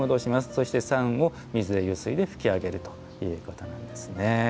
そして、酸を水でゆすいで拭き上げるということなんですね。